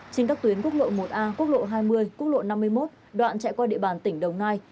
trên các tuyến quốc lộ một a quốc lộ hai mươi quốc lộ năm mươi một đoạn chạy qua địa bàn tỉnh đồng nai